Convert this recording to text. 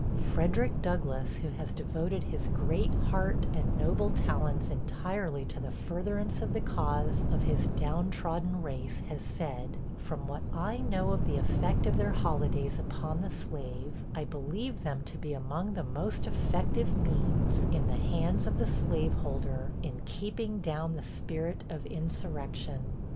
Frederick Douglass, who has devoted his great heart and noble talents entirely to the furtherance of the cause of his down trodden race, has said 'From what I know of the effect of their holidays upon the slave, I believe them to be among the most effective means, in the hands of the slaveholder, in keeping down the spirit of insurrection.